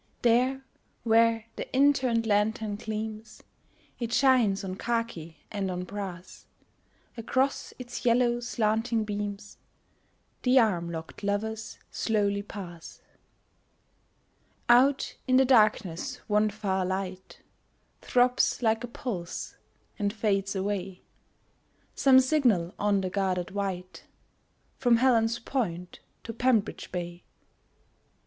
There where the in turned lantern gleams It shines on khaki and on brass; Across its yellow slanting beams The arm locked lovers slowly pass. Out in the darkness one far light Throbs like a pulse, and fades away Some signal on the guarded Wight, From Helen's Point to Bembridge Bay.